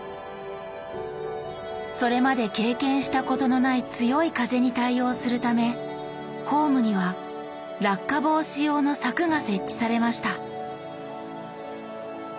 それまで経験したことのない強い風に対応するためホームには落下防止用の柵が設置されました。